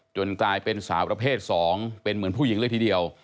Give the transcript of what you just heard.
กลายเป็นสาวประเภท๒เป็นเหมือนผู้หญิงเลยทีเดียว